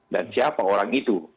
dan siapa orang itu